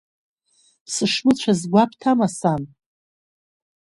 Сышмыцәаз гәабҭама, сан?